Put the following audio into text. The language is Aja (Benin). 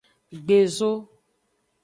Gbezo.